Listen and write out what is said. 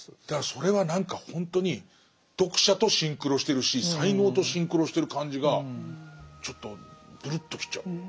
だからそれは何かほんとに読者とシンクロしてるし才能とシンクロしてる感じがちょっとブルッときちゃう。